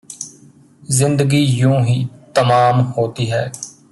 ਜ਼ਿੰਦਗੀ ਯੂੰ ਹੀ ਤਮਾਮ ਹੋਤੀ ਹੈ